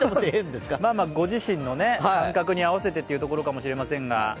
ご自身の感覚に合わせてというところかもしれませんが。